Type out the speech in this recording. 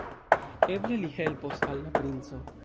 Eble, li helpos al la princo!